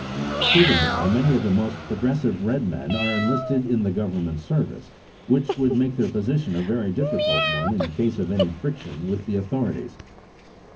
Furthermore, many of the most progressive red men are enlisted in the Government service, which would make their position a very difficult one in case of any friction with the authorities.